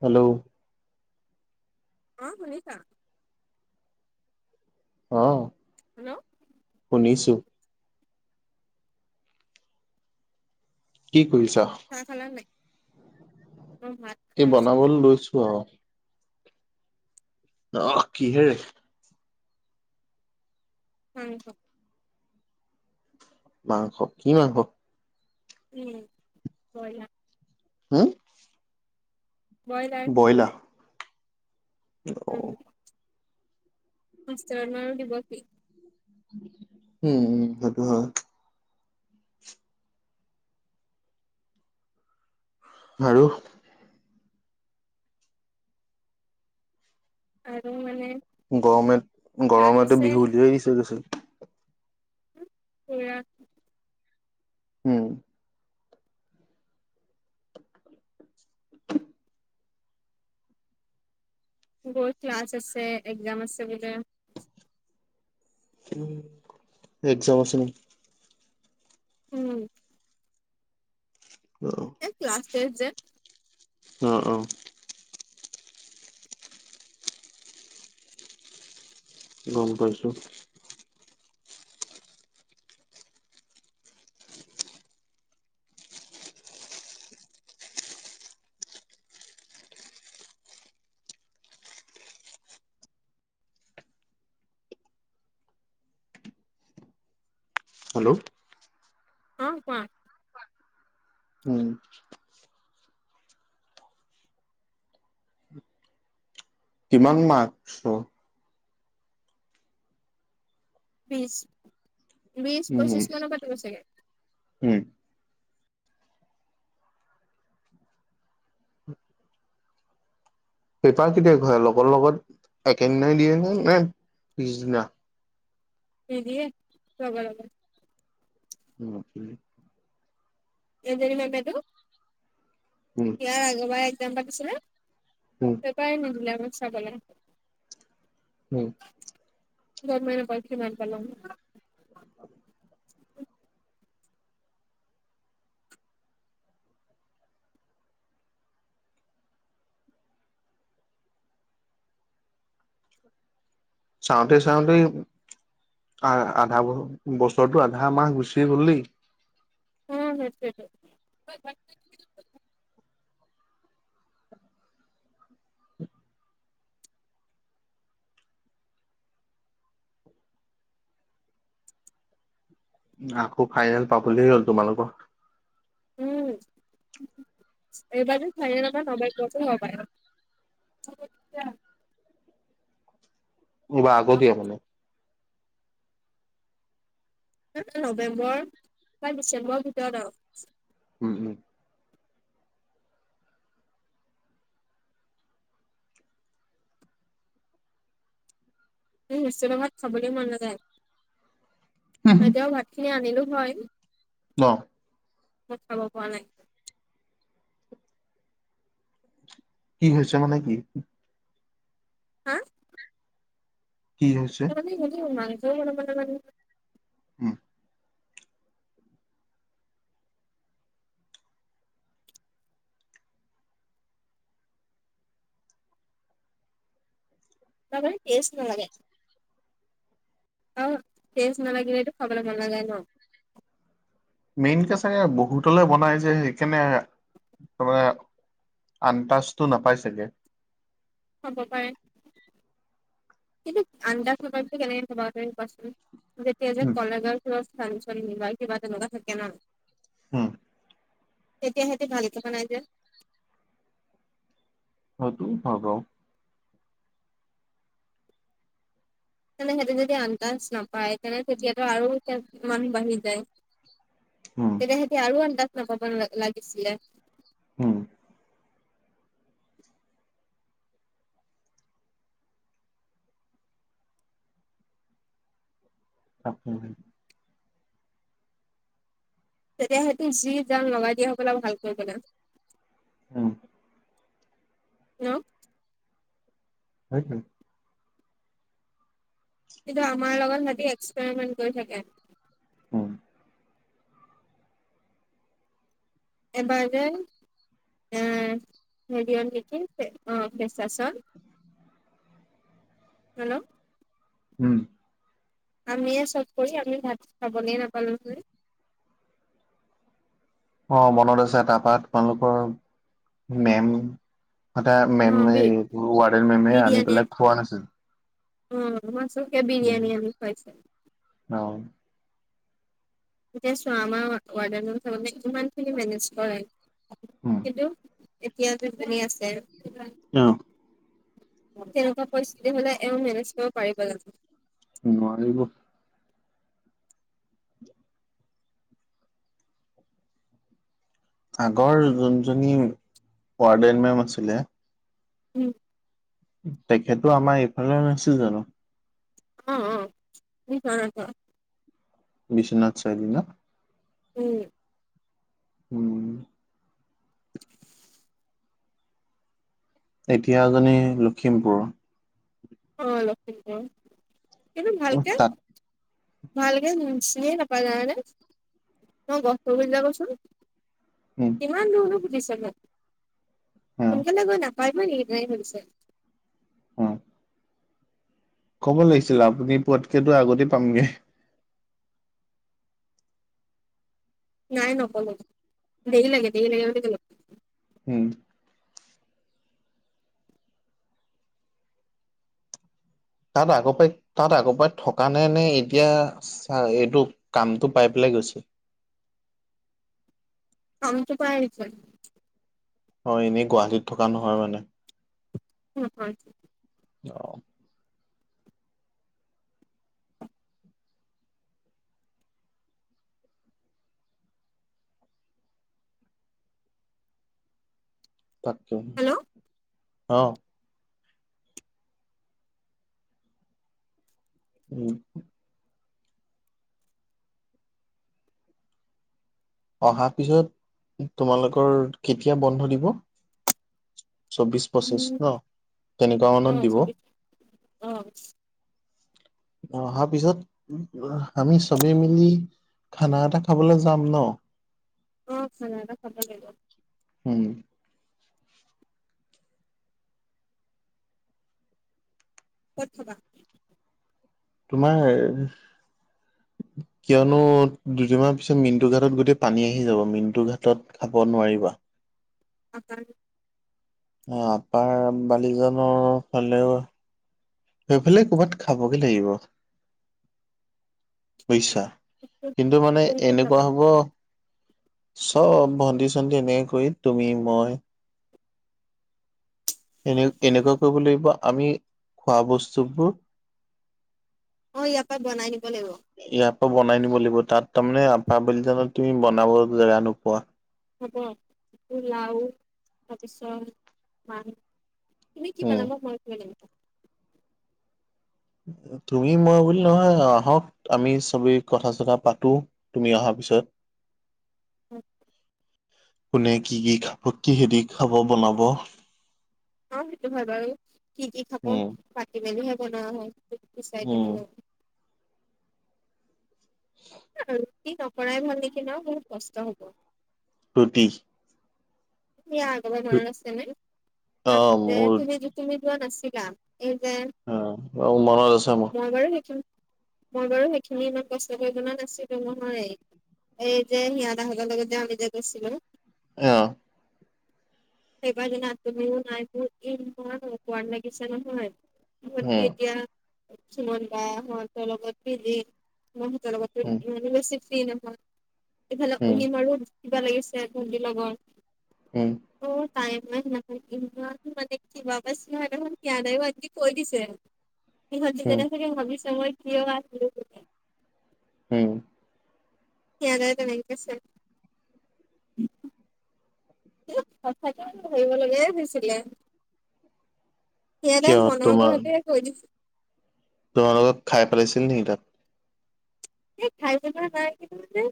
Hello. অ শুনিছা। অ। হেল্ল' শুনিছোঁ। কি কৰিছা চাহ খালা নে নাই। মই ভাত এই খাই আছো বনাবলৈ লৈছোঁ আৰু। অ কিহেৰে। হাঁহ [unintelligible] মাংস কি মাংস। উম বইলা। হা। ব্ৰইলাৰ বইলা। উম [unintelligible] দিব কি। উম। [unintelligible] আৰু। আৰু মানে। গৰমে ক্লাছ গৰমতে আছে বিহু উলিয়াই দিছে। [unintelligible] পুৰা। হম। বহুত ক্লাছ আছে এক্জাম আছে বোলে। একজাম আছে ন। উম, অ এই ক্লাছ টেষ্ট যে অ, অ, গম পাইছো। হেল্ল, অ, কোৱা? উম, কিমান মাৰ্কছৰ? বিছ-বিছ উম পঁচিশ মানৰ পাতিব ছাগে। উম পেপাৰ কেতিয়া ঘূৰাই লগৰ লগত, একেদিনাই দিয়ে নে, নে, পিছদিনা? নিদিয়ে লগে লগে। উম, উম, কেইজনীমান বাইদেও ইয়াৰ আগৰবাৰ একজাম পাতিছিলে। উম পেপাৰ এ, নিদিলে আমাক চাবলে। উম, গমেই নাপালো কিমান পালো। চাওঁতে-চাওঁতে আ, আধা বছৰটো আধা মাহ গুচিয়েই গ'ল দেই। উম, সেইটোৱেই। আকৌ ফাইনেল পাবলে হ'ল তোমালোকৰ। উম, এইবাৰ যেন ফাইনেল আমাৰ নৱেম্বৰতে হ'ব পাৰে। [unintelligible] বা, আগতিয়া মানে? নৱেম্বৰ বা ডিচেম্বৰৰ ভিতৰত আৰু। উম, উম, হোষ্টেলৰ ভাত খাবলৈ মন নাযায়, এতিয়াও ভাত খিনি আনিলো হয়। ন, মই খাব পৰা নাই। কি হৈছে মানে কি? হা? কি হৈছে [unintelligible] মাংস এই বনাব নাজানে। হম, তাৰ মানে টেষ্ট নালাগে। অ, টেষ্ট নালাগিলেটো খাবলৈ মন নাযায় ন? মেইনকে চাগে বহুতলে বনাই যে সেইকাৰণে [unintelligible] আন্তাজটো নাপাই চাগে। হ'ব পাৰে। কিন্তু [unintelligible] কোৱাচোন। যেতিয়া যে কলেজত কিবা উম ফানচন, নি কিবা তেনেকুৱা থাকে ন। হম, তেতিয়া সিহঁতে ভালকে বনাই যে? [unintelligible] তেন্তে সিহঁতে যদি আন্দাজ নাপায় তেনে তেতিয়াতো আৰু মানুহ বাঢ়ি যায়। উম তেতিয়া সিহঁতে আৰু আন্দাজ নাপাব লাগিছিলে? হম, [unintelligible] তেতিয়া সিহঁতে যি গান লগাই দিয়ে, হ'বলা ভাল বনাম। উম। উ। হৈছে। কিন্তু আমাৰ লগত সিঁহতে এক্সপেৰিমেন্ট কৰি থাকে। উম এবাৰ যে আ, হেৰিয়াত নেকি অ' ফেচ ফেশ্বন, হেল্ল'। উম। আমিয়ে চব কৰি আমি ভাত খাবলৈ নাপালোঁ গৈ। অ' মনত আছে, তাৰপা তোমালোকৰ মেম সদায় অ মেম বি এই, ৱাৰ্ডেন মেমে আনি পেলায় থোৱা নাছিল? উম, মাছকে উম বিৰিয়ানী আনি খুৱাইছে। অ এতিয়া চোৱা আমাৰ ৱাৰডেনে কিমানখিনি মেনেজ কৰে, উম কিন্তু এতিয়া জোনজনী আছে অ তেনেকুৱা পৰিস্থিতি হ'লে এওঁ মেনেজ কৰিব পাৰিব জানো? নোৱাৰিব। আগৰ জোনজনী ৱাৰ্ডেন মেম আছিলে উম। তেখেতো আমাৰ এইফালে নাছিল জানো? অ', অ'। [unintelligible] বিশ্বনাথ চাৰিআলি ন'? উম। উম। এতিয়াৰজনী লখিমপুৰৰ। অ' লখিমপুৰ, কিন্তু উম, ভালকে তাত ভালকে চিনিয়ে নাপায় জানানে? তুমি লগ কৰিব যাবাচুন। উম কিমান দূৰোনো সুধিছে মোক, অ সোনকালে গৈ না পাৰিবি নি সেইটোহে সুধিছে। অ'। ক'ব লাগিছিল, আপুনি পোৱাতকেতো আগতে পামগে। নাই নকলে, দেৰি লাগে, দেৰি লাগে বুলি কলোঁ। হুম। তাত আগৰপৰা তাত আগৰপৰাই থকা নে নে এতিয়া এইটো কামটো পাই পেলাই ঠিক আছে। কামটো পাই আহিছে। অ' এনেই গুৱাহাটীত থকা নহয় মানে। নহয় অ'। তাকে হেল্ল' অ'। উম। অহাৰ পিছত তোমালোকৰ কেতিয়া বন্ধ দিব? চৌবিশ, পঁচিছ উম ন' তেনেকুৱা অ মানত দিব। চবি অ অ' অহাৰ পিছত আমি চবেই মিলি খানা এটা খাবলৈ যাম ন'? অ' খানা এটা খাব লাগিব। উম। ক'ত খাবা? তোমাৰ হেই কিয়নো দুদিনমান পিছত মিণ্টু ঘাটত গোটেই পানী আহি যাব, মিণ্টু ঘাটত খাব নোৱাৰিবা। [inaudible] [unintelligible] অ' আপাৰ বালিজনৰ ফালেও সেইফালে কৰ'বাত খাবগে লাগিব, বুজিছা। কিন্তু মানে কোন কোন যাবা এনেকুৱা হ'ব চব ভণ্টি-চণ্টি এনে কৰি তুমি মই এনে-এনেকুৱা কৰিব লাগিব আমি খোৱা বস্তুবোৰ অ', ইয়াৰ পৰা বনাই নিব লাগিব। ইয়াৰ বনাই নিব লাগিব, তাত তাৰমানে আ [unintelligible] বুলি জানো তুমি বনাব জেগা নোপোৱা হ'ব পোলাও তাৰপিছত মাং তুমি কি উম বনাব মই তিব [unintelligible] জানিব তুমি মই বুলি নহয় আ, আহক আমি চবেই কথা চথা পাতো তুমি অহা তাৰ পিছত উ। কোনে কি কি খাব, কিহেদি খাব বনাব? অ', সেইটো হয় বাৰু, কি কি খাব উম পাতি মেলিহে বনোৱা হয়। চাই [unintelligible] উম গ ল টি নকৰাই ভাল নেকি ন', বহুত কষ্ট হ'ব। ৰুটি? ইয়াৰ আগৰবাৰ মনত আছে অ নে? মোৰ তুমি তুমি যোৱা নাছিলা। এই যে, অ মনত আছে মোৰ মই বাৰু [unintelligible] মই বাৰু সেইখিনি ইমান কষ্ট কৰি বনোৱা নাছিলো, নহয় এই যে সিহঁ [unintelligible] তাহতৰ লগত যে আমি যে গৈছিলো আহ সেইবাৰ জানা তুমিও নাই মোৰ ইমান অকৰ্ৱাদ লাগিছে নহয়। মকি এ উম [unintelligible] তিয়া চুমানন বা সহঁতৰ লগত পধি সিহঁতৰ লগততো উম ইমানো বেছি ফ্ৰী নহয়, এইফালে উম অহিম আৰু কিবা লাগিছে ভণ্টিৰ লগত উম। তাই মান মানে কিবা পাইছে নহয় [unintelligible] কৈ দিছে [inaudible] সিহঁত কেইজনীয়ে চাগে ভাবিছে মই কিয় আহিলো বুলি। উম। সায় [unintelligible] তে নেকে আছে সচাঁকে ধৰিব লগাই হৈছিলে। সিহঁতে কিয় মনৰ তোমাৰ কথাটো কৈ দিছে। তোমালোকক খাই পেলাইছিল নেকি তাত? এই খাই পেলোৱা নাই, কিন্তু মানে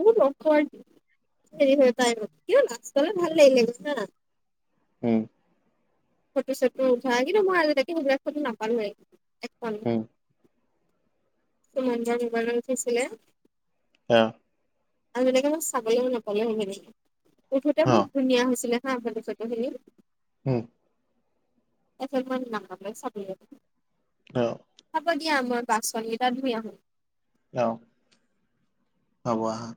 বহুত অকৰ্ৱাদ [unintelligible] হেৰি হৈ পাই কিন্তু লাষ্টলে ভাল লাগিলে বৈছা উম। ফটো চটো উঠা, কিন্তু মই আজিলৈকে সেইবিলাক সেইবিলাক ফটো নাপালোৱে, এখন উম তুম [unintelligible] মান মবালত উঠিছিলে অ'। আৰু এনেকে ম চাবলৈও [unintelligible] নপলে হনেকে উঠোতে অ বহুত ধুনীয়া হৈছিলে হা [unintelligible] হল চটো হেি উম। এফেল [unintelligible] ম নাম চাব অ'। হ'ব দিয়া, মই বাচনকিতা ধুই আহোঁ। অ'। হ'ব [unintelligible]